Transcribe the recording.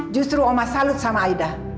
justru oma salut sama aida